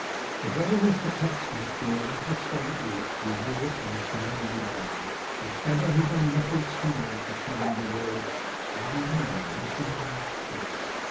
If ever Mr Pecksniff wore an apostolic look, he wore it on this memorable day. If ever his unruffled smile proclaimed the words, 'I am a messenger of peace!